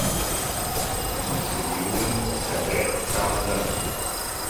المرثديون سادات تعد لهم